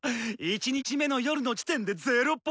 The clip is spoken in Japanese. １日目の夜の時点で０Ｐ！